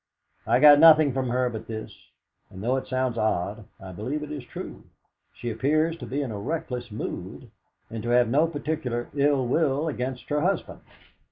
I got nothing from her but this, and, though it sounds odd, I believe it to be true. She appears to be in a reckless mood, and to have no particular ill will against her husband.